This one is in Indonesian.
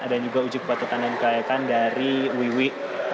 dan juga uji kebatasan dan kelayakan dari wiwi